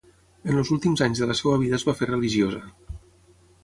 En els últims anys de la seva vida es va fer religiosa.